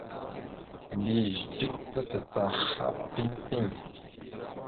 Mbiyez dik tacacaha piŋ piŋ.